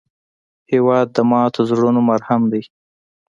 هېواد د ماتو زړونو مرهم دی.